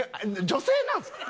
女性なんですか？